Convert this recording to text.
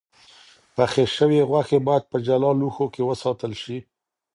پخې شوې غوښې باید په جلا لوښو کې وساتل شي.